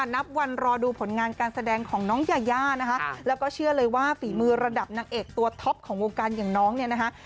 นับวันรอดูผลงานการแสดงของน้องยายานะคะแล้วก็เชื่อเลยว่าฝีมือระดับนางเอกตัวท็อปของวงการอย่างน้องเนี่ยนะคะ